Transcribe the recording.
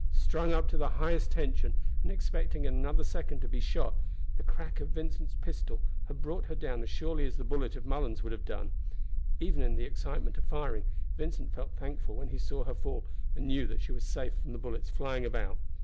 Strung up to the highest tension, and expecting in another second to be shot, the crack of Vincent's pistol had brought her down as surely as the bullet of Mullens would have done. Even in the excitement of firing, Vincent felt thankful when he saw her fall, and knew that she was safe from the bullets flying about.